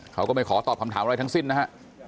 เขาก็ไม่ขอตอบคำถามอะไรทั้งสิ้นนะฮะ